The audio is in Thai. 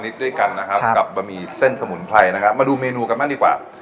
ทั้งหมด๙ชนิดด้วยกันนะครับ